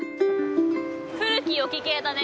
古き良き系だね